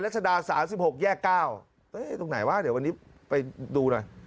ชดา๓๖แยก๙ตรงไหนวะเดี๋ยววันนี้ไปดูหน่อย